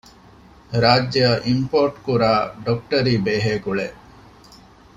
ރާއްޖެއަށް އިމްޕޯޓްކުރާ ޑޮކްޓަރީ ބޭހޭގުޅޭ